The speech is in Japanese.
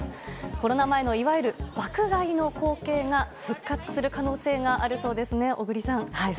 コロナ前のいわゆる爆買いの光景が復活する可能性があるそうですね小栗さん。